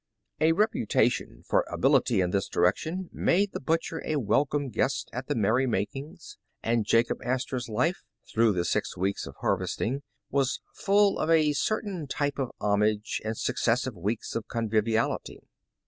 A reputation for ability in this direction, made the butcher a welcome guest at the merry mak A Pivotal Day ing's, and Jacob Astor's life, through the six weeks of harvesting, was full of a certain type of homage, and successive weeks of conviviality.